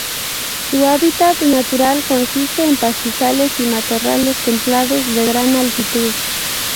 Su hábitat natural consiste en pastizales y matorrales templados de gran altitud.